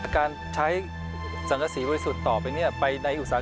การใช้สังกสีบริสุทธิ์ต่อไป